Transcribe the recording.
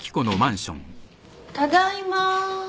ただいま。